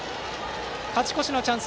勝ち越しのチャンス